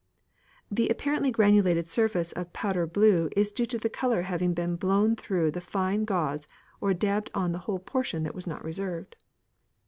The apparently granulated surface of the powder blue is due to the colour having been blown through the fine gauze or dabbed on the whole portion that was not reserved.